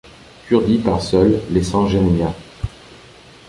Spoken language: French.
Kurdy part seul laissant Jeremiah.